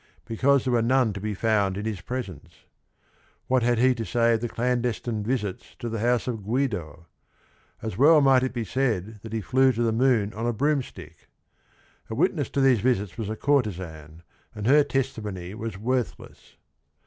Be cause there were none to be found in his presence. What had he to say of the clandestine visits to the house of Guido? As well might it be said that he flew to the moon on a broomstick. The witness to these visits was a courtesan, and her testimony was worthless.